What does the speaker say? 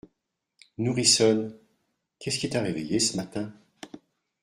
Nourrissonne, qu’est-ce qui t’a réveillée ce matin ?